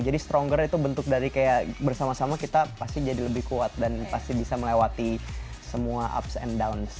jadi stronger itu bentuk dari kayak bersama sama kita pasti jadi lebih kuat dan pasti bisa melewati semua ups and downs